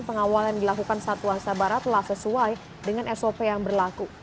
pengawalan yang dilakukan satwa sabara telah sesuai dengan sop yang berlaku